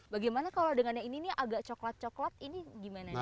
bagaimana kalau dengan yang ini nih agak coklat coklat ini gimana nih